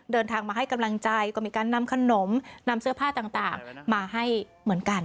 เดินทางมาให้กำลังใจก็มีการนำขนมนำเสื้อผ้าต่างมาให้เหมือนกัน